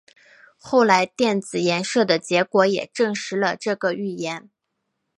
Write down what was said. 后来电子衍射的结果也证实了这个预言。